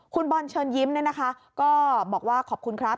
คุณบอลเชิญยิ้มก็บอกว่าขอบคุณครับ